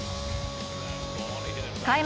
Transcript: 開幕